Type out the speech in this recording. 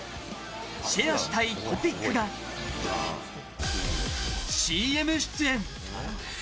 シェアしたいＴＯＰＩＣがＣＭ出演。